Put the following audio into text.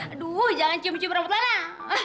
eh aduh jangan cium cium rambut lana